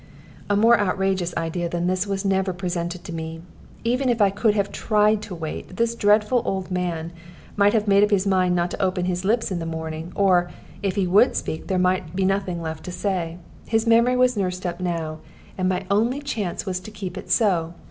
A more outrageous idea than this was never presented to me. Even if I could have tried to wait, this dreadful old man might have made up his mind not to open his lips in the morning, or, if he would speak, there might be nothing left to say. His memory was nursed up now, and my only chance was to keep it so.